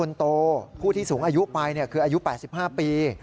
คนโตผู้ที่สูงอายุไปคืออายุ๘๕ปี